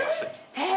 えっ！？